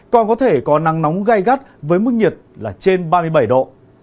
còn có thể có nắng nóng gai gắt với mức nhiệt là trên ba mươi bảy độ